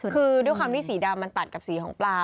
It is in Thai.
คือด้วยความที่สีดำมันตัดกับสีของปลา